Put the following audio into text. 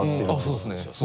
そうですね。